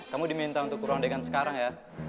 kamu diminta untuk kurang dengan sekarang ya